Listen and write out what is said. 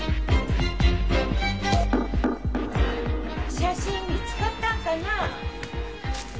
写真見つかったんかな？